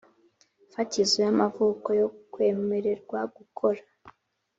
fatizo y amavuko yo kwemererwa gukora